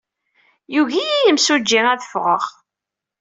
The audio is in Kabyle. Yugi-iyi yimsujji ad ffɣeɣ.